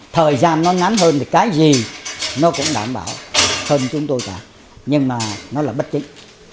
thời gian nó ngắn hơn thì cái gì nó cũng đảm bảo hơn chúng tôi cả nhưng mà nó là bất chính